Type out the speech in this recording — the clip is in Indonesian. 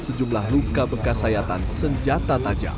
sejumlah luka bekas sayatan senjata tajam